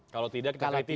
kalau tidak kita kaitisi